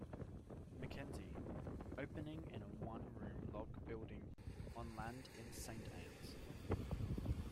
MacKenzie, opening in a one-room log building on land in Saint Ann's.